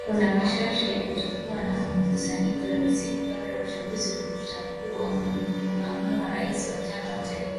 Kuna masharti ya kutokuwa na mikusanyiko ya usiku kabla ya uchaguzi utakao amua rais wa tano wa taifa hilo